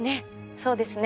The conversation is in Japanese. そうですね